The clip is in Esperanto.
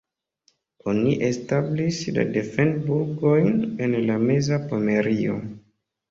Oni establis la defend-burgojn en la meza Pomerio.